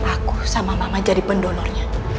aku sama mama jadi pendonornya